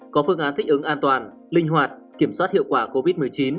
có phương án thích ứng an toàn linh hoạt kiểm soát hiệu quả covid một mươi chín